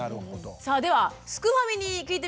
さあではすくファミに聞いてみましょうか。